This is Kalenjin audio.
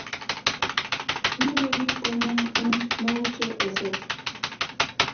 Kimache pik komag en mauche oset